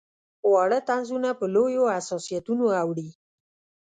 واړه طنزونه په لویو حساسیتونو اوړي.